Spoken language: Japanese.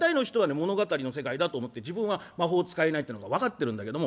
物語の世界だと思って自分は魔法を使えないというのが分かってるんだけども